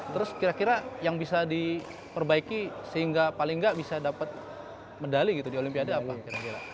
terus kira kira yang bisa diperbaiki sehingga paling gak bisa dapet medali gitu di olimpiade apa kira kira